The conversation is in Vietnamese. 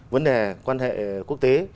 vấn đề quan hệ quốc tế